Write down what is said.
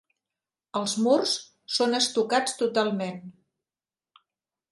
Els murs són estucats totalment.